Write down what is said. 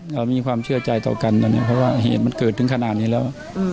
ว่าไม่มีความเชื่อใจต่อกันเหตุมันเกิดถึงขนาดนี้แล้ว